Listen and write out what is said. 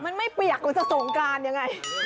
มันไม่เปียกกว่าจะสงกรานยังไง